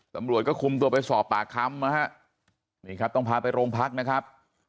ตำรวจก็คุมตัวไปสอบปากคำนะฮะนี่ครับต้องพาไปโรงพักนะครับ